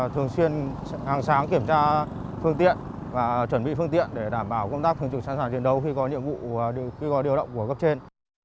thường xuyên hàng sáng kiểm tra phương tiện và chuẩn bị phương tiện để đảm bảo công tác chữa cháy sẵn sàng chiến đấu khi có nhiệm vụ khi có điều động của cấp trên